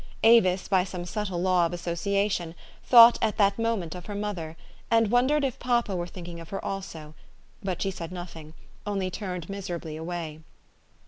Avis, by some subtle law of association, thought at that moment of her mother, and wondered if papa were thinking of her also ; but she said nothing, only turned miserably away.